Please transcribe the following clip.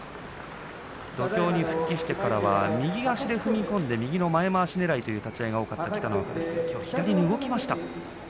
土俵に復帰してからは右足で踏み込んで右の前まわしねらいという相撲が多かったんですがきょうは動きました。